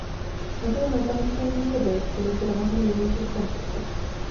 Напэўна, там ніхто і не ведае, што мы перамаглі ў нейкіх конкурсах.